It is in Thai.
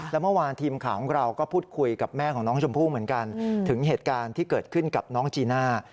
แล้วเมื่อวานทีมข่าวของเราก็พูดคุยกับแม่ของน้องชมพู่เหมือนกันถึงเหตุการณ์ที่เกิดขึ้นกับน้องจีน่า